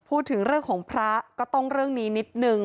พูดถึงเรื่องของพระก็ต้องเรื่องนี้นิดนึง